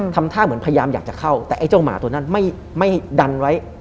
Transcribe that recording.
ทำท่าเหมือนพยายามอยากจะเข้าแต่ไอ้เจ้าหมาตัวนั้นไม่ดันไว้